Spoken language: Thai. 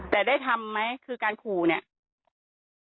แต่ได้ทำไหมคือการขู่เนี่ย